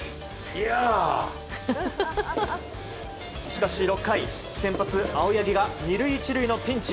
しかし６回、先発、青柳が２塁１塁のピンチ。